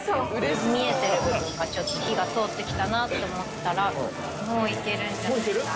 見えてる部分がちょっと火が通って来たなと思ったらもう行けるんじゃないか？